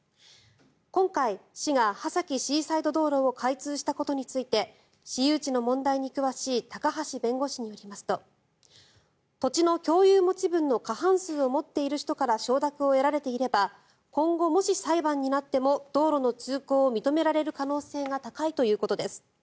今回、市が波崎シーサイド道路を開通したことについて私有地の問題に詳しい高橋弁護士によりますと土地の共有持ち分の過半数を持っている人から承諾を得られていれば今後、もし裁判になっても道路の通行を認められる可能性が高いということです。